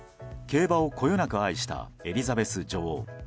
競馬をこよなく愛したエリザベス女王。